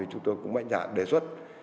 chúng tôi cũng mạnh dạng đề xuất